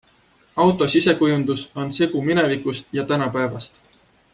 Auto sisekujundus on segu minevikust ja tänapäevast.